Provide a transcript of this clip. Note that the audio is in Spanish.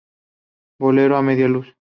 Bolero a media luz.